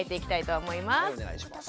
はいお願いします。